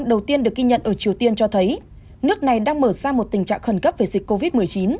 ghi nhận ở triều tiên cho thấy nước này đang mở ra một tình trạng khẩn cấp về dịch covid một mươi chín